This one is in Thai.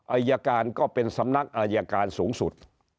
อายการก็เป็นสำนักอายการสูงสุด